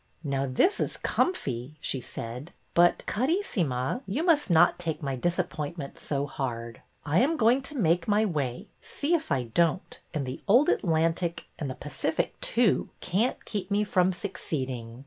''Now this is comfy," she said; "but, Caris sima, you must not take my disappointment so hard. I am going to make my way, see if I don't, and the old Atlantic, and the Pacific, too, can't keep me from succeeding."